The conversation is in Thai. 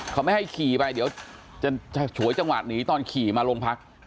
เขาไม่ให้ขี่ไปเดี๋ยวจะฉวยจังหวะหนีตอนขี่มาโรงพัก